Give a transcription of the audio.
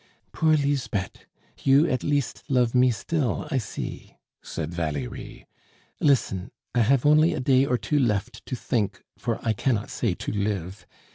"Poor Lisbeth, you at least love me still, I see!" said Valerie. "Listen. I have only a day or two left to think, for I cannot say to live.